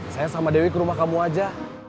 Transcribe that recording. saya sama dewi ke rumah kamu aja